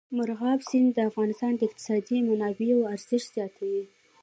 مورغاب سیند د افغانستان د اقتصادي منابعو ارزښت زیاتوي.